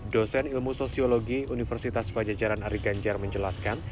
dosen ilmu sosiologi universitas pajajaran ari ganjar menjelaskan